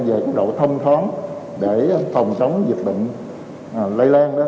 về mức độ thông thoáng để phòng chống dịch bệnh lây lan đó